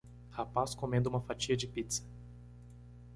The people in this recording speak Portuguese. Rapaz comendo uma fatia de pizza